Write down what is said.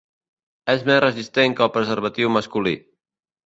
És més resistent que el preservatiu masculí.